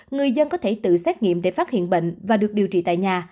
người dân có thể tự xét nghiệm để phát hiện bệnh và được điều trị tại nhà